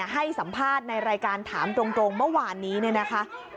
ให้สัมภาษณ์ในรายการถามตรงเมื่อวานนี้เนี่ยนะคะ